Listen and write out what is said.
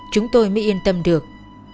chúng tôi mới yên tâm được